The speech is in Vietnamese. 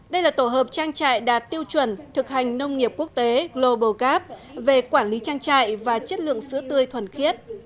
đây là tổ hợp trang trại đạt tiêu chuẩn thực hành nông nghiệp quốc tế global gap về quản lý trang trại và chất lượng sữa tươi thuần khiết